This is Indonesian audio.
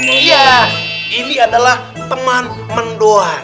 iya ini adalah teman mendoa